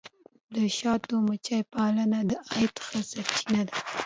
د شاتو مچیو پالنه د عاید ښه سرچینه ده.